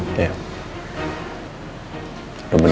hati yang bisa diberikan